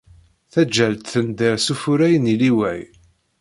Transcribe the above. Taǧǧalt tenḍer s uffuray n iliwey.